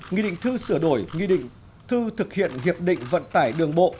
nghị định thư sửa đổi nghị định thư thực hiện hiệp định vận tải đường bộ